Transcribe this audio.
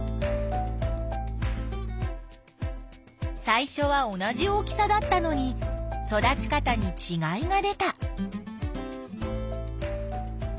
最初は同じ大きさだったのに育ち方にちがいが出た。